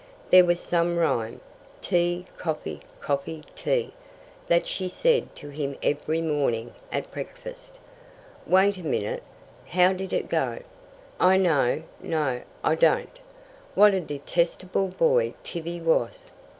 There was some rhyme, 'Tea, coffee coffee, tea,' that she said to him every morning at breakfast. Wait a minute how did it go?" "I know no, I don't. What a detestable boy Tibby was!"